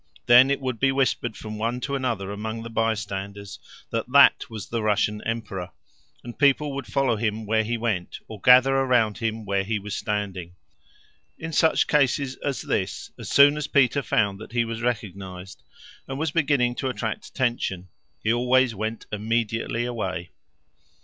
Then it would be whispered from one to another among the by standers that that was the Russian Emperor, and people would follow him where he went, or gather around him where he was standing. In such cases as this, as soon as Peter found that he was recognized, and was beginning to attract attention, he always went immediately away.